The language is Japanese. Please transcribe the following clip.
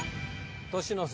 年の差